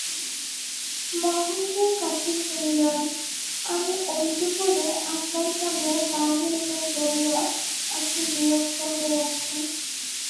মহেন্দ্রের কাছে শুনিলাম, আমি অন্তঃপুরে আপনার সামনে বাহির হই বলিয়া আপনি বিরক্ত হইয়াছেন।